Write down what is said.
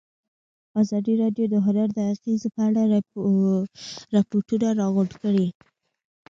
ازادي راډیو د هنر د اغېزو په اړه ریپوټونه راغونډ کړي.